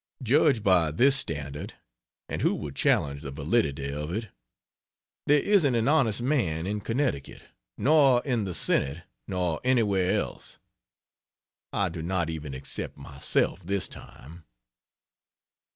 Judged by this standard and who will challenge the validity of it? there isn't an honest man in Connecticut, nor in the Senate, nor anywhere else. I do not even except myself, this time.